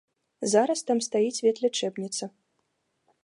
Зараз там стаіць ветлячэбніца.